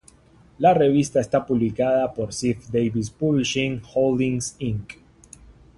La revista está publicada por "Ziff-Davis Publishing Holdings Inc".